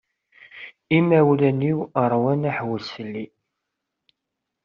Imawlan-iw rwan aḥewwes fell-i.